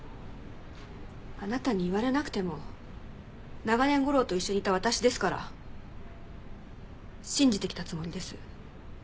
あなたに言われなくても長年吾良と一緒にいた私ですから信じてきたつもりです。